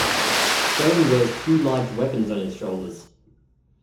Stone wears two large weapons on his shoulders.